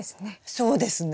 そうですね。